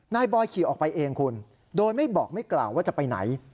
บอยขี่ออกไปเองคุณโดยไม่บอกไม่กล่าวว่าจะไปไหน